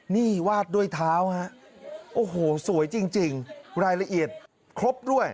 นี่วาดด้วยเท้าฮะโอ้โหสวยจริงรายละเอียดครบด้วย